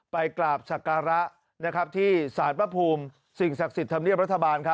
ไปกราบสักการะที่สารพระภูมิสิ่งศักดิ์สิทธิ์ธรรมเนียบรัฐบาล